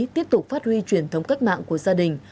tiếp tục phát huy truyền thống cách mạng của gia đình